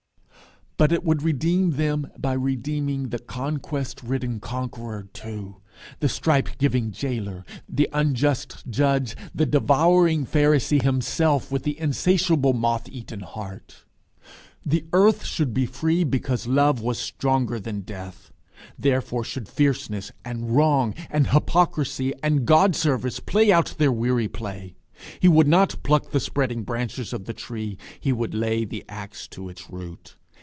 But it would redeem them by redeeming the conquest ridden conqueror too, the stripe giving jailer, the unjust judge, the devouring Pharisee himself with the insatiable moth eaten heart. The earth should be free because Love was stronger than Death. Therefore should fierceness and wrong and hypocrisy and God service play out their weary play. He would not pluck the spreading branches of the tree; he would lay the axe to its root.